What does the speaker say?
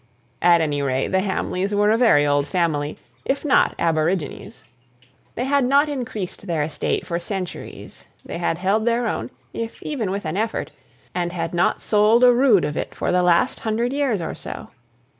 At any rate, the Hamleys were a very old family, if not aborigines. They had not increased their estate for centuries; they had held their own, if even with an effort, and had not sold a rood of it for the last hundred years or so.